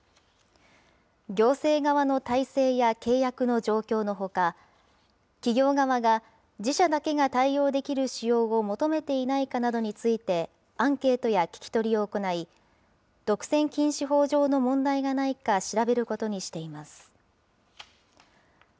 行政側の体制や契約の状況のほか、企業側が自社だけが対応できる仕様を求めていないかなどについて、アンケートや聞き取りを行い、独占禁止法上の問題がないか調べることにしています。